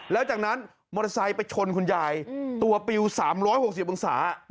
แล้วจากนั้นมอเตอร์ไซค์ไปชนคุณยายตัวปิว๓๖๐องศา